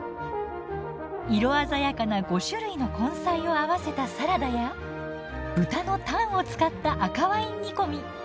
色鮮やかな５種類の根菜をあわせたサラダや豚のタンを使った赤ワイン煮込み。